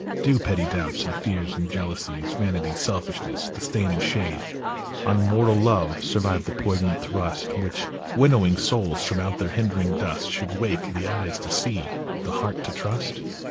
Do petty doubts and fears and jealousies, Vanity, selfishness, the stain and shade On mortal love, survive the poignant thrust Which, winnowing souls from out their hindering dust, Should wake the eyes to see, the heart to trust